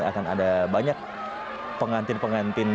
akan ada banyak pengantin pengantin